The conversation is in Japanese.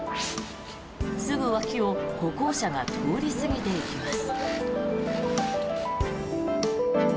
すぐ脇を歩行者が通り過ぎていきます。